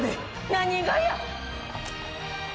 何がや。